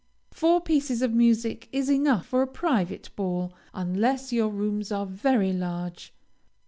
Four pieces of music is enough for a private ball, unless your rooms are very large.